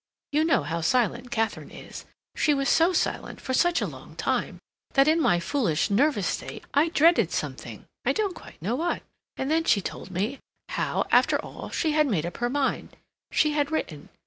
You know how silent Katharine is. She was so silent, for such a long time, that in my foolish, nervous state I dreaded something, I don't quite know what. And then she told me how, after all, she had made up her mind. She had written.